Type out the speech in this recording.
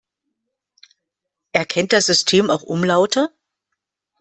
Erkennt das System auch Umlaute?